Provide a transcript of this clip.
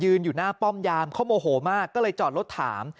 อยู่หน้าป้อมยามเขาโมโหมากก็เลยจอดรถถาม